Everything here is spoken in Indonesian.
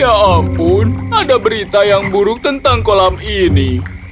ya ampun ada berita yang buruk tentang kolam ini